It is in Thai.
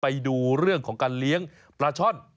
ไปดูเรื่องของการเลี้ยงปลาช่อน